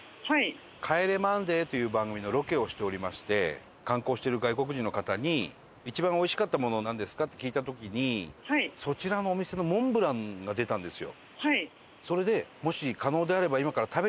『帰れマンデー』という番組のロケをしておりまして観光している外国人の方に一番おいしかったものなんですか？って聞いた時にそちらのお店のモンブランが出たんですよ。